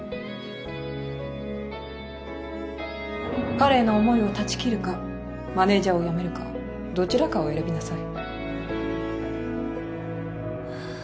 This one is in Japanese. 彼への思いを断ち切るかマネージャーをどちらかを選びなさい